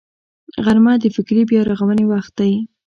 غرمه د فکري بیا رغونې وخت دی